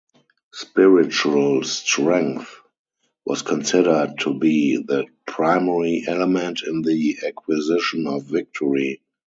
Spiritual strength was considered to be the primary element in the acquisition of victory.